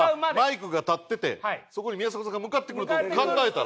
マイクが立っててそこに宮迫さんが向かってくるって事を考えたら。